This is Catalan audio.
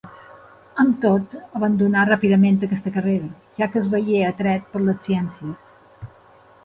Amb tot abandonà ràpidament aquesta carrera, ja que es veié atret per les ciències.